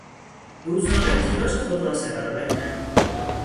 روزنامه تیراژ خود را سه برابر کرد.